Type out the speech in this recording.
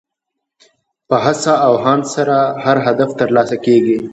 په هڅه او هاند سره هر هدف ترلاسه کېږي.